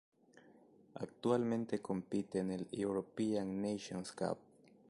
Actualmente compite en el European Nations Cup.